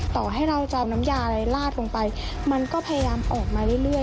ต่อให้เราจะเอาน้ำยาอะไรลาดลงไปมันก็พยายามออกมาเรื่อย